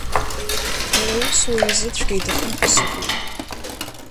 Иара ус, уаҩ изы цәгьа иҭахым ҳәа сыҟоуп.